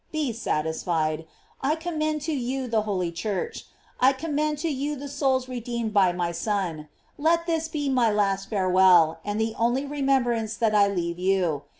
Be satisfied. I commend to you the holy Church; I commend to you the souls redeemed by my Son; let this be my last farewell, and the only remembrance that I leave you.